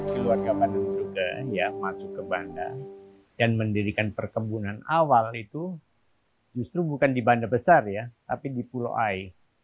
keluarga bandung juga masuk ke banda dan mendirikan perkebunan awal itu justru bukan di banda besar ya tapi di pulau ai